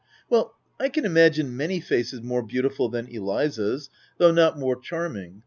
" Well, I can imagine many faces more beau tiful than Eliza's, though not more charming.